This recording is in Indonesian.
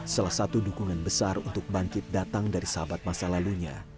salah satu dukungan besar untuk bangkit datang dari sahabat masa lalunya